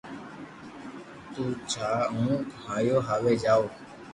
تو جا ھون ھاپو آوي جاو